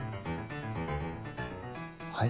はい？